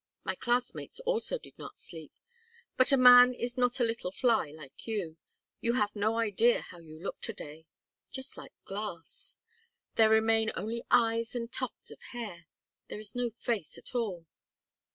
My classmates also did not sleep. But a man is not a little fly like you. You have no idea how you look to day just like glass. There remain only eyes and tufts of hair; there is no face at all."